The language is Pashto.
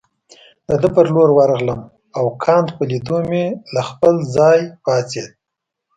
د ده پر لور ورغلم او کانت په لیدو مې له خپل ځای پاڅېد.